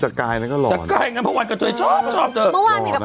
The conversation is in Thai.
ใช่เช่นนี่เกรด